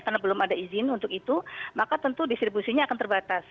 karena belum ada izin untuk itu maka tentu distribusinya akan terbatas